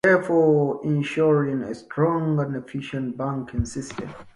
Thus ensuring a strong and efficient banking system.